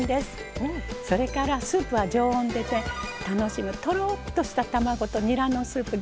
それからスープは常温で炊いて楽しむとろっとした卵とにらのスープ。